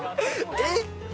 えっ？